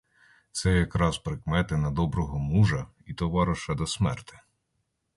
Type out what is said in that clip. Це як раз прикмети на доброго мужа і товариша до смерти.